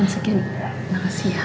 once again makasih ya